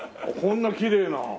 こんなきれいな。